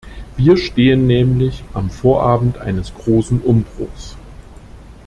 Wir stehen nämlich am Vorabend eines großen Umbruchs.